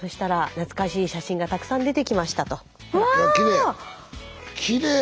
いやきれい！